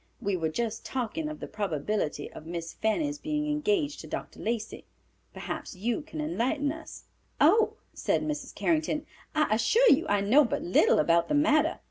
We were just talking of the probability of Miss Fanny's being engaged to Dr. Lacey. Perhaps you can enlighten us." "Oh," said Mrs. Carrington, "I assure you I know but little about the matter.